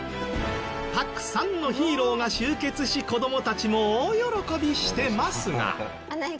たくさんのヒーローが集結し子どもたちも大喜びしてますが。